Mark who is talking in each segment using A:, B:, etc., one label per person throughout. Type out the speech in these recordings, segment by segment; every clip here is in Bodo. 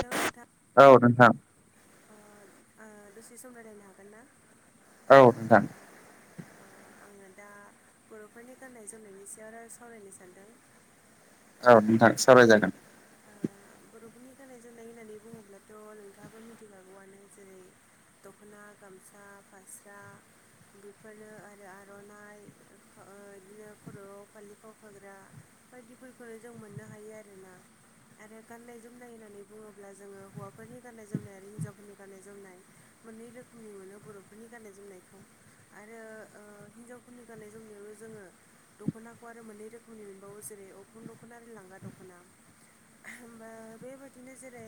A: हेल' नोंथा
B: औ नोंथां
A: अ आ दसे सम रायलायनो हागोन ना?
B: औ नोंथां।
A: ओ आङो दा बर'फोरनि गाननाय जोमनायनि सायाव राय सावरायनो सानदों।
B: औ नोंथां सावराय जागोन।
A: ओ बर'फोरनि गाननाय जोमनाय होननानै बुङोब्लाथ' नोंथाबो मिथिखागौआनो जेरै दख'ना, गामसा, फास्रा बिफानो आरो आर'नाइ खा ओ बिदिनो खर'आव फालि खावखाग्रा। बायदिफोरखौ जों मोननो हायो आरोना आरो गाननाय जोमनाय होननानै बुङोब्ला जोङो हौवाफोरनि गाननाय जोमनाय आरो हिनजावफोरनि गाननाय जोमनाय मोननै रो खोमनि मोनो बर'फोरनि गाननाय जोमनायखौ आरो ओ हिनजावफोरनि गाननाय जोमनायावनो जोङो दख'नाखौ आरो मोननै रोखोमनि मोनबावो जेरै अग्रं दख'ना आरो लांगा दख'ना। होमबा बेबायदिनो जेरै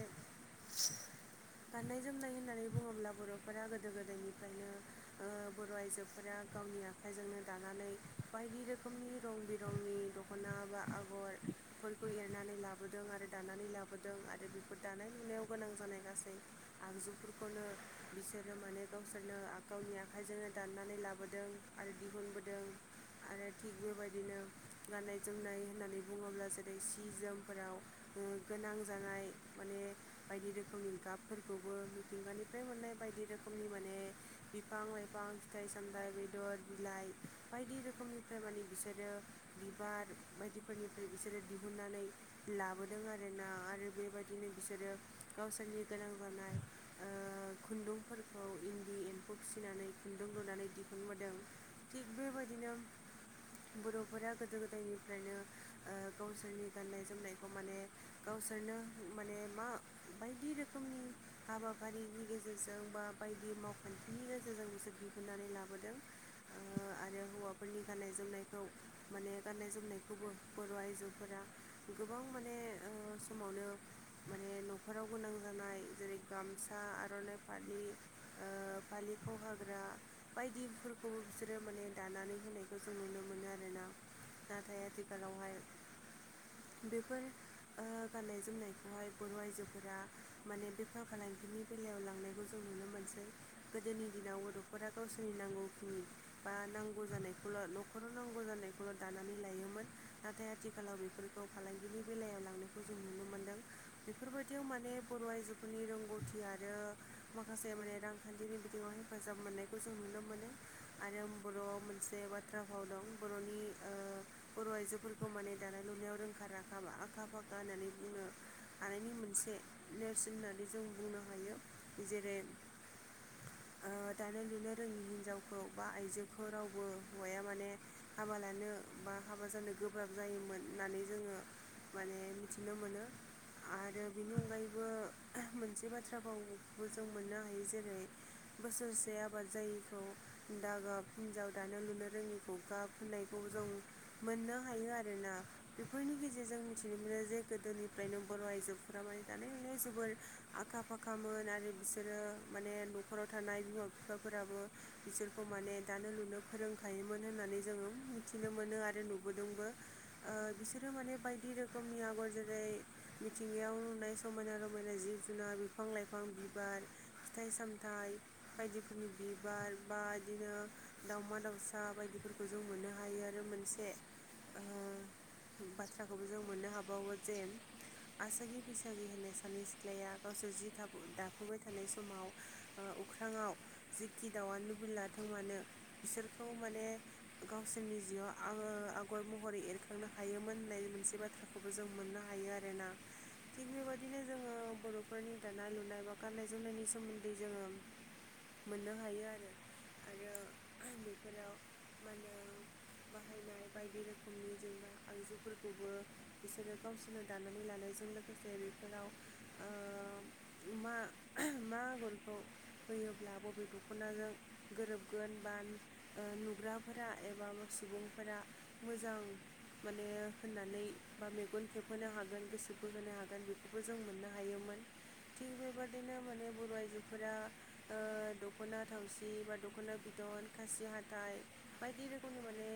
A: गाननाय जोमनाय होननानै बुङोब्ला बर'फोरा गोदो गोदायनिफ्रायनो ओ बर' आइजोफोरा गाव गावनि आखाइजोंनो दानानै बायदि रोखोमनि रं बिरंनि दख'ना बा आगर फोरखौ एरनानै लाबोदों आरो दानानै लाबोदों आरो बिफोर दानाय लुनायाव गोनां जानाय गासै आगजुफोरखौनो बिस सोरो माने गावसोरनो आ गावनि आखाइजोंनो दाननानै लाबोदों आरो दिहुनबोदों आरो थिग बेबायदिनो गाननाय जोमनाय होननानै बुङोब्ला जेरै सि जोमफोराव ओ गोनां जानाय माने बायदि रोखोमनि गाबफोरखौबो मिथिंगानिफ्राय मोननाय बायदि रोखोमनि माने बिफां लाइफां फिथाइ सामथाय बेदर बिलाइ बायदि रो खोमनिफ्राय माने बिसोरो बिबार बायदिफोरनिफ्राय बिसोरो दिहुननानै लाबो दों आरोना आरो बेबायदिनो बिसोरो गावसोरनि गोनां जानाय ओ खुन्दु दुंफोरखौ इन्दि एम्फौ फिसिनानै खुन्दुं लुनानै दिहुनबोदों। थिक बेबायदिनो बर'फोरा गोदो गोदायनिफ्रायनो ओ गावसोरनि गाननाय जोमनायखौ माने गावसोरनो माने मा बायदि रोखोमनि हाबाफारिनि गेजेरजों बा बायदि मावखान्थिनि गेजेरजों बिसोर दिहुननानै लाबोदों। ओ आरो हौवाफोरनि गाननाय जोमनायखौ माने गाननाय जोमनायखौबो बर' आइजोफोरा गोबां माने ओ समावनो माने न'खराव गोनां जानाय जेरै गामसा आर'नाइ फालि ओ फालि बेखौ हाग्रा बायदिफोरखौबो बिसोरो माने दानानै होनायखौ जों नुनो मोनो आरोना। नाथाय आथिखालावहाय बेफोर ओ गाननाय जोमनायखौहाय बर' आइजोफोरा माने बेफार फालांगिनि बेलायाव लांनायखौ जों नु नो मोनसै। गोदोनि दिनाव गथ'फोरा गावसोरनि नांगौखिनि बा नांगौ जानायखौल' न'खराव नांगौ जानायखौल' दानानै लायोमोन। नाथाय आथिखालाव बेफोरखौ फालांगिनि बेलायाव लांनाय खौ जों नुनो मोनदों। बेफोरबायदियाव माने बर' आइजोफोरनि रोंगौथि आरो माखासे माने रांखान्थिनि बिथिङाव हेफाजाब मोननायखौ जों नुनो मोनो आरो बर'आव मोनसे बाथ्रा फा फावाव दं। बर'नि‌ ओ बर' आइजोफोरखौ माने दानाय लुनायाव रोंखा राखा बा आखा फा होननानै बुंनो हानायनि मोनसे नेरसोन होननानै जों बुंनो हायो जेरै। [unintelligible] दानो लुनो रोङि हिनजावखौ बा आइजोखौ रावबो हौवाया माने हाबा लानो बा हाबा जानो गोब्राब जायोमोन होननानै जोङो माने मिथिनो मोनो। आरो बेनि अनगायैबो मोनसे बाथ्राफोरावबो जों मोननो हायो जेरै बोसोरसे आबाद जायैखौ दा गाब हिनजाव दानो लुनो रोङिखौ गाब होननायखौ। ज मोननो हायो आरोना बेफोरनि गेजेरजों मिथिनो जे गोदोनिफ्रायनो बर' आइजोफोरा माने दानाय लुनाय जोबोर आखा फाखामोन आरो बिसोरो। माने न'खराव थानाय बिमा बिफाफोराबो बिसोरखौ माने दानो लुनो फोरोंखायोमोन। नानै ज मिनो मोन आरो नुदोंबो बिसोरो माने बायदि रोखोमनि। आगर जेरै मिथिंगायाव नुनाय समायना रमायना जिब-जुनार, बिफां-लाइफां बिबार फिथाइ सामथाइ बायदिफोरनि बिबार बा बिदिनो दाावमा दाउसा बायदि मोननो हायो आरो मोनसे बाथ्राखौबो जों मोननो ह बाव जे आसागि बैसागि होननाय सानै सिख्लाया गावसोर जि दाफुबाय थानाय समाव अख्राांाव जेखि दाउआ लुबैलाथों मानो बिसोरखौ माने गावसोरनि। बिाव आङो आगर महरै एरखांनो हायोमोन होननाय मोनसे बाथ्राखौ। खौबो जों मोननो हायो आरोना। थिग बेबायदिनो जोङो बर'फोरनि दानाय लुनाय बा गाननाय जोमनायनि सोमोन्दै जोङो। मोननो हायो आरो आरो बेफोराव मा होनो बाहायनाय बायदि रोखोमनि जेनेबा आगजुफोरखौबो। बिसोरो गावसोरनो दानानै लानायजों लोगोसे बेफोराव अमा मा आगरखौ होयोब्ला बबे दख'नाजों गोरोबगोन बा नुग्राफोरा एबा सुबुंफोरा मोजां माने होननानै। बा मेगन खेबहोनो हागोन गोसो बोहोनो हागोन बेखौबो जों मोननो हायोमोन थिग बेबदिनो बिदिनो माने बर' आइजोफोरा दख'ना थावसि बा दख'ना बिदन खासि ह नाथाय बायदि रोखोमनि माने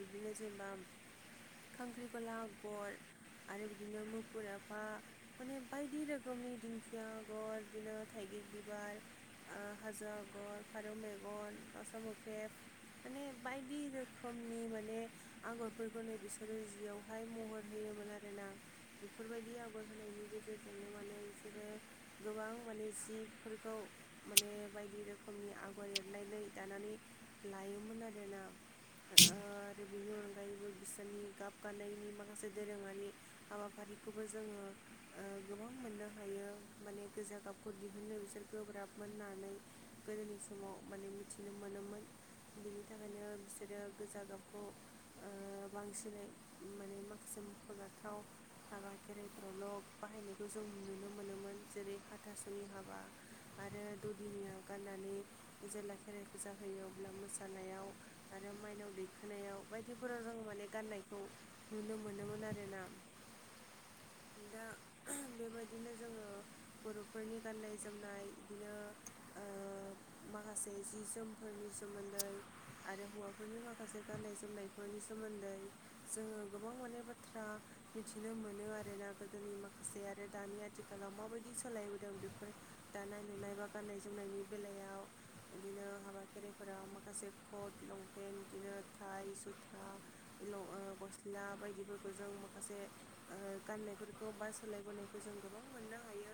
A: बिदिनो जेनेबा खख्रि गला गर आरो बिदिनो मुफुर एफा माने बायदि रोखोमनि दिंखिया आगर बिदिनो थाइगं गिरबिबार हाजो आगर फारौ मेगन रसामुफे माने बायदि रोखोमनि माने आगरफोरखौ दिनै बिसोरो जियावहाय महर होयोमोन आरो ना बेफोरबायदि आगर होनायनि गेजेरजोंनो। माने बिसोरो गोबां माने जिफोरखौ माने बायदि रोखोमनि आगायारि लेरनानै दानानै लायोमोन आरोना।
B: थ
A: बिनो गायबो। बिसनि गाबगानायनि माखासे दोरोङारि हाबाफारिखौबो जोङो गोबां। मोननो हायो माने गोजा गाबखौ दिहुननो बिसोर गोब्राब मोननानै गोदोनि समाव। माने मिथिनो मोनोमोन बिनि थाखायनो बिसोरो गोजा गाबखौ बांसिनै माने माखासे मख'जाथाव हाबा खेराइफोरावल' बाहायनायखौ जों नुनो मोनोमोन जेरै हाथासुनि हाबा आरो ददिनिया गाननानै। जेब्ला खेराइ फुजा होयो अब्ला मोसानायाव आरो माइनाव दैखोनायाव बायदिफोराव जों माने। नुनो मोनोमोन आरो ना दा बेबायदिनो जोङो बर'फोरनि गाननाय जोमनाय बिदिनो। माखासे जि जोमफोरनि सोमोन्दै आरो हौवाफोरनि माखासे गान गनाय जोमनायफोरनि सोमोन्दै। जोङो गोबां माने बाथ्रा मिथिनो मोनो आरोना गोदोनि माखासे आरो दानि आरो। आथिखालाव माबायदि सोलायबोदों बेफोर दानाय लुनाय बा गाननाय जोमनायनि बेलायाव। बिदिनो हाबा खेराइफोराव माखासे पट लंपेन् बिदिनो थाइ जुथा गस्ला बायदिफोरखौ जों माखासे गाननायफोरखौ बा सोलायबोनायखौ। जों गोबां मोननो हायो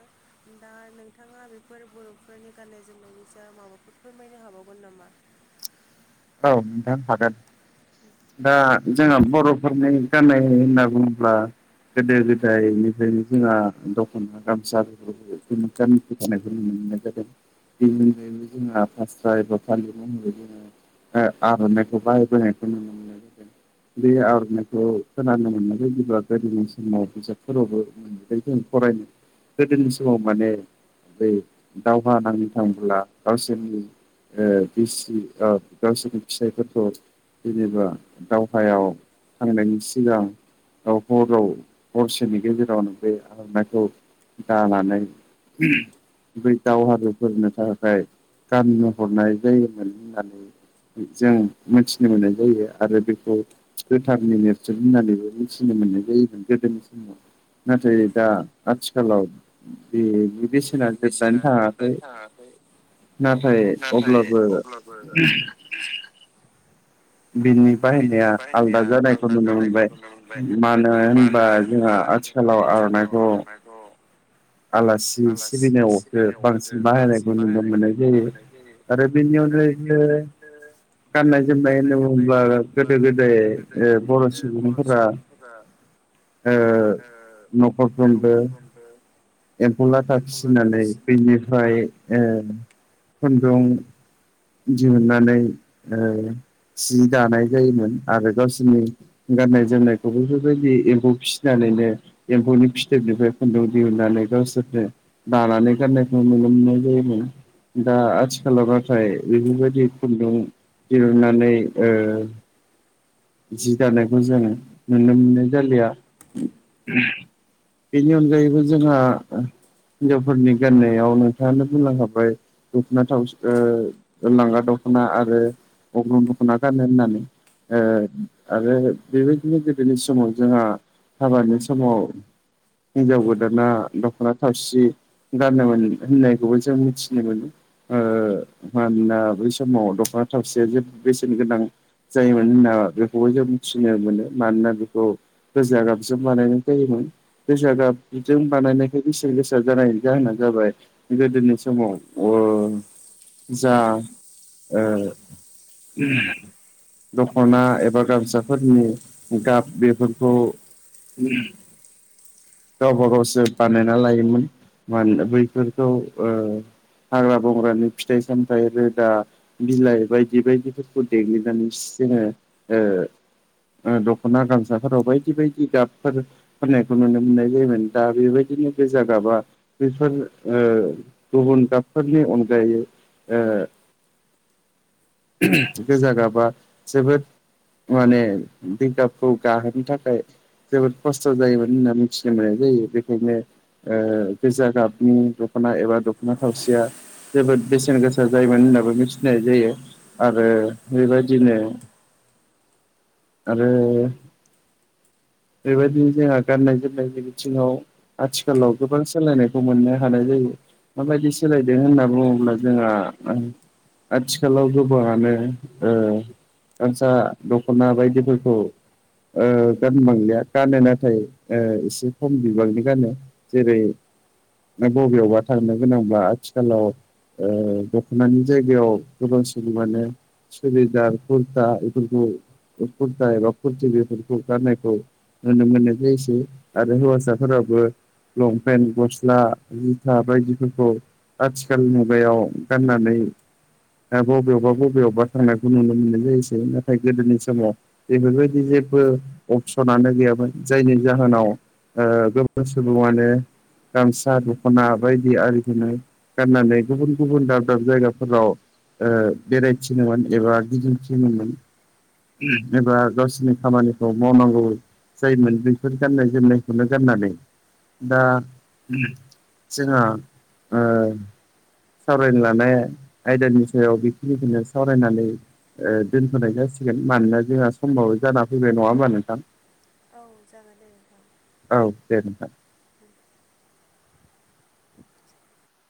A: दा नोंथाङा बेफोर बर'फोरनि गान्नाय जोमनायनि सायाव माबाफोरखौ फोरमायनो हाबावगोन नामा
B: औ नोंथां हागोन दा जोंहा बर'फोरनि गाननाय होनना बुङोब्ला गोदो गोदायनिफ्रायनो जोंहा दख'ना गामसाफोरखौ गामि फखानायफोर न मोनो नाय जादों बेबो जोंहा फास्रायब थालिर महरै जोङो आर'नानायखौ बाहाय बोनायखौ नुनो मोननाय बे आर'नाइखौ खोनानो मोननाय बायदिब्ला गोदोनि समाव बिजाबफोरावबो मोनबाय जों फरायनो गोदोनि समाव माने बे दावहा नांनो थांब्ला गावसोरनि बिसि गावसोरनि फिथाइफोरखौ जेनेबा दावहायाव थांनायनि सिगां हराव हरसेनि गेजेरावनो बे आरनाखौ दानानै ह बै दावहारुफोरनो थाखाय गाननो हरनाय जायोमोन होननानै जों मिथिनो मोननाय जायो आरो बेखौ गोथारनि नेरसोन होननानैबो मिथिनो मोनो मोननाय जायोमोन गोदोनि समाव नाथाय दा आथिखालाव दे बिदिसेना
A: बेनि
B: जोबनानै
A: बेसेना
B: थाङाखै
A: जोबनानै थाङाखै
B: नाथाय
A: नाथाय
B: अब्लाबो
A: अब्लाबो
B: बिनि
A: बेनि
B: बाहायनाया आलादा
A: बाहायनाया
B: जानायखौ
A: आलादा
B: नुनो
A: जानायखौ
B: मोनबाय
A: नुनो मोनबाय
B: मानो
A: मानो
B: होनबा
A: होनबा
B: जोंहाथि
A: आथिखालाव आर'नायखौ
B: आलासि सिबिनायावख
A: सिबिनायावसो
B: बांसिन
A: बांसिन
B: बाहायनायखौ नुनो
A: बाहायनायखौ
B: मोननाय
A: नुनो
B: जायो
A: मोननाय जायो
B: आरो बेनि
A: आरो बेनि
B: अनगायैबो
A: अनगायैबो
B: गाननाय जोमनाय
A: गाननाय
B: होनना
A: जोमनाय
B: बुङोब्ला
A: होनना बुङोब्ला
B: गोदाय
A: गोदो गोदाय
B: ओ बर'
A: बर'
B: सुबुंफोरा
A: सुबुंफोरा ओ
B: न'खरफ्रोमबो
A: नखरफ्रोमबो
B: एम्फौ लाथा
A: एम्फौ लाथा
B: फिसिनानै
A: फिसिनानै
B: बेनिफ्राय ए खुन्दुं दिहुननानै ओ सि दानाय जायोमोन आरो गावसोरनि गाननाय जोमनायखौबो बेफोरबायदि एम्फौ फिसिनानैनो एम्फौनि फिथोबनिफ्राय खुन्दुं दिहुननानै गावसोरनो दानानै गाननायखौ नुनो मोननाय जायोमोन दा आथिखालाव नाथाय बेफोरबायदि खुन्दुं दिरुननानै जि जानायखौ जोंङो नुनो मोननाय जालिया बेनि अनगायैबो जोंहा हिनजावफोरनि गाननायाव नोंथाङानो बुंलांखाबाय दख'ना थावसि ओ लांगा दख'ना आरो अग्रं दख'ना गानो होननानै ओ आरो बेबायदिनो गोदोनि समाव जोंहा हाबानि समाव हिनजाव गोदाना दख'ना थावसि गाननो मोन होननायखौबो जों मिथिनो मोनो। ओ मानोना बै समाव दख'ना थावसिया जेबो बेसेन गोनां जाय मानोना बयबो जों मिथिनो मोनो। मानोना बेखौ गोजा गाबजों बानायनाय जायोमोन गोजा गाब जों बानायनायखाय बेसेन गोसा जानायनि जाहोना जाबाय गोदोनि समाव जा ओ दख'ना एबा गामसाफोरनि गाब बेफोरखौ गावबा गावसो बानायना लायोमोन मान बैफोरखौ ओ हाग्रा बंग्रानि फिथाइ सामथाइ रोदा बिलाइ बायदि बायदिफोरखौ देग्लिनानै जोङो ओ दख'ना गामसाफोराव बायदि बायदि गाबफोर फोनायखौ नुनो मोननाय जायोमोन दा बेबायदिनो बे जागाबा बेफोर गुबुन गाबफोरनि अनगायै ओ
A: [inaudible]
B: गोजा गाबा जोबोद माने बे गाबखौ गाहोनो थाखाय जोबोद खस्थ' जायोमोन होनना मिथिनो मोननाय जायो। बेखायनो गोजा ओ गाबनि दख'ना एबा दख'ना थावसिया जोबोद बेसेन गोसा जायोमोन होननाबो मिथिनाय जायो आरो। बेबायदिनो
A: [inaudible]
B: आरो बेबायदिनो जोंहा गाननाय जोमनायनि बिथिङाव आथिखालाव गोबां सोलायनायखौ मोननो हानाय जायो। माबायदि सोलायदों होनना बुङोब्ला जोंहा आथिखालाव गोबाङानो ओ गामसा दख'ना बायदिफोरखौ ओ गानबांलिया गानो नाथाय एसे खम बिबांनि गानो। जेरै नों बबेयावबा थांनो गोनांबा आथिखालाव ओ दख'नानि जायगायाव गोबां सुबुङानो सुरिदार कुरथा बेफोरखौ खुरता एबा खुरति बेफोरखौ गाननायखौ नुनो मोननाय जायोसै आरो हौवासाफोराबो लंपेन्ट गस्ला जुथा बायदिफोरखौ आथिखाल मुगायाव गाननानै बबेयावबा बबेयावबा थांनायखौ नुनो मोननाय जायोसै। नाथाय गोदोनि समाव बेफोरबायदि जेबो अपसनानो गैयामोन। जायनि जाहोनाव गोबां सुबुङानो गामसा दख'ना बायदि आरि गाननानै गुबुन गुबुन दाब दाब जायगाफोराव ओ बेरायथिङोनोमोन एबा गिदिं थिङोनोमोन। एबा गावसिनि खामानिखौ मावनांगौ जायोन बेफोर गाननाय जोमनायखौनो गाननानै दा जोंहा ओ सावरायनो लानाय आयदानि सायाव बेखिनिखौनो सावरायनानै दोनथ'नाय जासिगोन मानोना जोंहा समबाबो जाना फैबाय नङा होमबा नोंथां?
A: औ जागोन दे नोंथां
B: औ दे नोंथां
A: [inaudible]